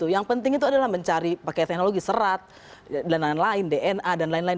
yang penting itu adalah mencari pakai teknologi serat dan lain lain dna dan lain lain